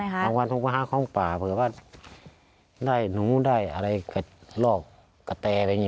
บางวันผมก็หาของป่าเผื่อว่าได้หนูได้อะไรกระลอกกระแตอะไรอย่างนี้